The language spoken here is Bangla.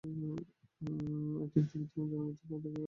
আমি বিদ্যমান জনবল থেকে পাঁচজনকে দিয়ে একটি ক্ষুদ্র সেল গঠনের চেষ্টা করছি।